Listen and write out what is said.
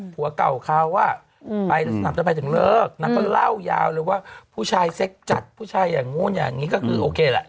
ผัวเก่าเขาอ่ะไปลักษณะทำไมถึงเลิกนางก็เล่ายาวเลยว่าผู้ชายเซ็กจัดผู้ชายอย่างนู้นอย่างนี้ก็คือโอเคแหละ